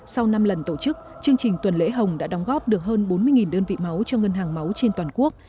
sau năm lần tổ chức chương trình tuần lễ hồng đã đóng góp được hơn bốn mươi đơn vị máu cho ngân hàng máu trên toàn quốc